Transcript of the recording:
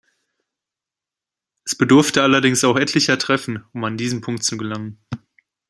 Es bedurfte allerdings auch etlicher Treffen, um an diesen Punkt zu gelangen.